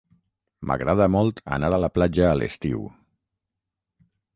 M'agrada molt anar a la platja a l'estiu.